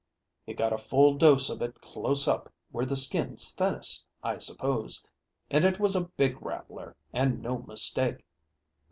"It got a full dose of it close up where the skin's thinnest, I suppose; and it was a big rattler, and no mistake."